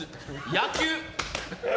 野球。